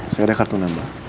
saya ada kartu nama